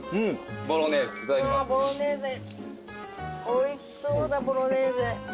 おいしそうだボロネーズ。